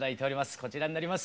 こちらになります。